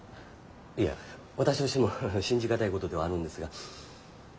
いや私としても信じがたいことではあるんですが。